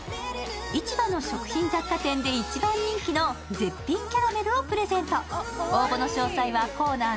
市場の食品雑貨店で一番人気の絶品キャラメルをプレゼント。